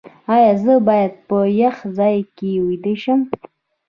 ایا زه باید په یخ ځای کې ویده شم؟